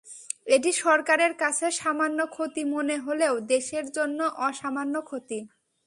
এটি সরকারের কাছে সামান্য ক্ষতি মনে হলেও দেশের জন্য অসামান্য ক্ষতি।